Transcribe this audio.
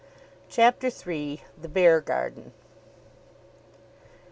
CHAPTER III. THE BEARGARDEN.